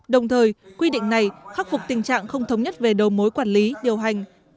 đồng thời quy định này khắc phục tình trạng không thống nhất về đầu mối quản lý điều hành